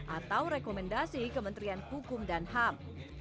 atau rekomendasi kementerian hukum dan ham